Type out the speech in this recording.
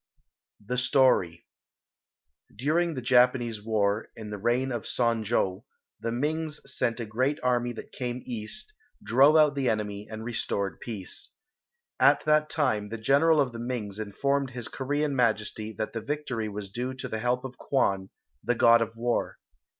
"] The Story During the Japanese War in the reign of Son jo, the Mings sent a great army that came east, drove out the enemy and restored peace. At that time the general of the Mings informed his Korean Majesty that the victory was due to the help of Kwan, the God of War.